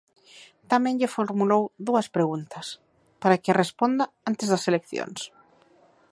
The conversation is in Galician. Tamén lle formulou dúas preguntas, para que as responda antes das eleccións.